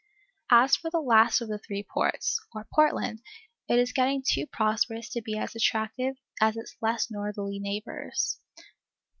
As for the last of the three Ports, or Portland, it is getting too prosperous to be as attractive as its less northerly neighbors.